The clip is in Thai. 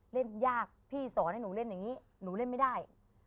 เล่นยากพี่สอนให้หนูเล่นอย่างนี้หนูเล่นไม่ได้